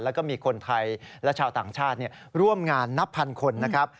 แล้วก็มีคนไทยและชาวต่างชาติร่วมงานนับพันคนนะครับ